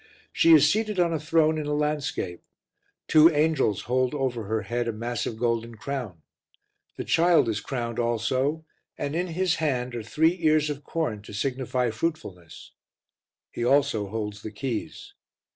She is seated on a throne in a landscape; two angels hold over her head a massive golden crown; the Child is crowned also and in His hand are three ears of corn, to signify fruitfulness; He also holds the keys.